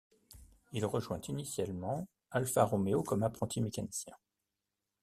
Il rejoint initialement Alfa Romeo comme apprenti mécanicien.